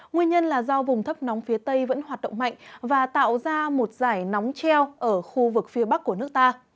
nguyên nhân là do vùng thấp nóng phía tây vẫn hoạt động mạnh và tạo ra một giải nóng treo ở khu vực phía bắc của nước ta